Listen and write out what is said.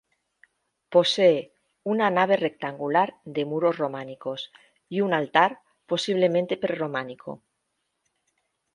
Posee una nave rectangular, de muros románicos y un altar posiblemente prerrománico.